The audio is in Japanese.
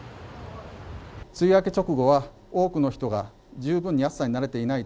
梅雨明け直後は、多くの人が十分に暑さに慣れていない